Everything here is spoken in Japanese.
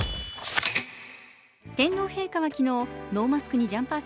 天皇陛下は昨日、ノーマスクにジャンパー